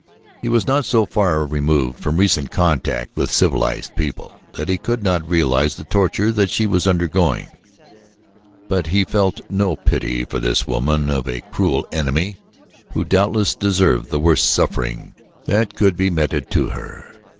He was not so far removed from recent contact with civilized people that he could not realize the torture that she was undergoing, but he felt no pity for this woman of a cruel enemy who doubtless deserved the worst suffering that could be meted to her.